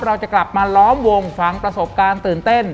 เราจะกลับมาล้อมวงฟังประสบการณ์ตื่นเต้น